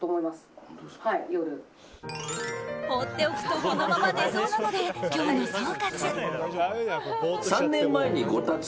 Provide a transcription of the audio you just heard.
放っておくとこのまま寝そうなので今日の総括。